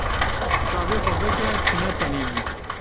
Çavê xwe veke tu ne tenê yî.